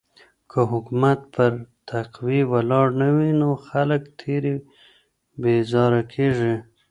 که حکومت پر تقوی ولاړ نه وي نو خلګ ترې بېزاره کيږي.